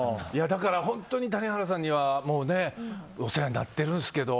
だから、本当に谷原さんにはお世話になっているんですけど。